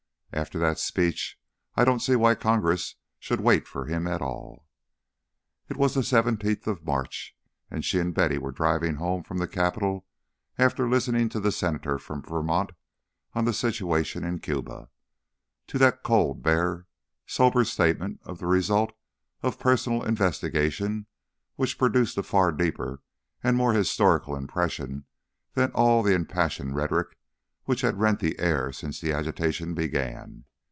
After that speech I don't see why Congress should wait for him at all." It was the seventeenth of March, and she and Betty were driving home from the Capitol after listening to the Senator from Vermont on the situation in Cuba, to that cold, bare, sober statement of the result of personal investigation, which produced a far deeper and more historical impression than all the impassioned rhetoric which had rent the air since the agitation began.